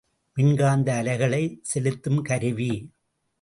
மின்காந்த அலைகளைச் செலுத்தும் கருவி.